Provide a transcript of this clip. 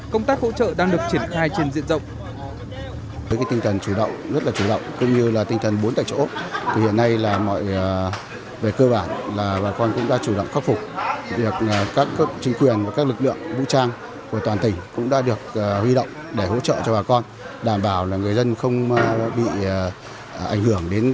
công tác hỗ trợ đang được triển khai trên diện rộng